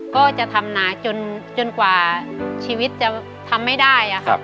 ก็จะทำหนาจนกว่าชีวิตจะทำไม่ได้ครับ